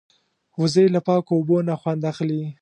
وزې له پاکو اوبو نه خوند اخلي